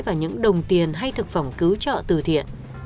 và những đồng tiền hay thực phẩm cứu trợ từ thiện